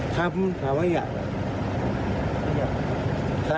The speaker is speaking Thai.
ครับถามว่าอยากเหรอ